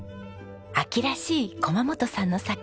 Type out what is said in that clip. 秋らしい駒本さんの作品。